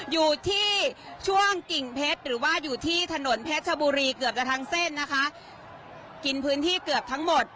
อยู่ที่ช่วงกิ่งเพชรหรือว่าอยู่ที่ถนนเพชรชบุรีเกือบจะทั้งเส้นนะคะกินพื้นที่เกือบทั้งหมด